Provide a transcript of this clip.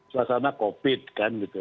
suasana covid kan gitu